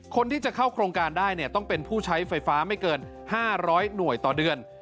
คนที่จะเข้าโครงการได้เนี่ยต้องเป็นผู้ใช้ไฟฟ้าไม่เกิน๕๐๐หน่วยต่อเดือน